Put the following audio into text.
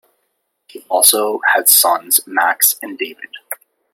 He also had sons Max and David.